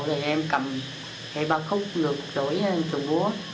thì em cầm hệ ba khúc lượt đổi trụ bố